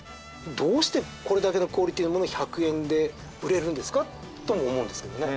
どうしてこれだけのクオリティーのものを１００円で売れるんですか？とも思うんですけどね。